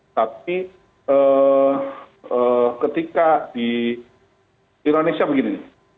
tapi ketika di indonesia begini